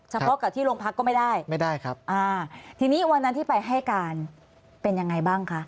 เฉพาะกับที่โรงพักก็ไม่ได้ไม่ได้ครับอ่าทีนี้วันนั้นที่ไปให้การเป็นยังไงบ้างคะ